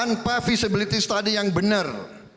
tanpa feasibility study yang benar